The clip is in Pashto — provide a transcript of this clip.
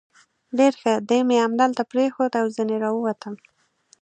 ډېر ښه، دی مې همدلته پرېښود او ځنې را ووتم.